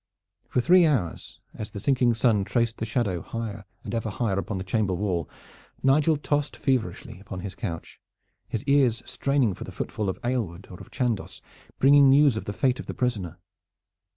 For three hours, as the sinking sun traced the shadow higher and ever higher upon the chamber wall, Nigel tossed feverishly upon his couch, his ears straining for the footfall of Aylward or of Chandos, bringing news of the fate of the prisoner.